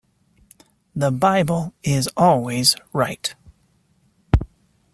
The Bible is always right".